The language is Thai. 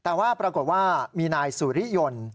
แต่ว่าปรากฏว่ามีนายสุริยนต์